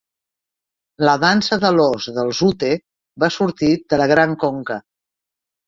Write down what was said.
La dansa de l'ós dels Ute va sortir de la Gran Conca.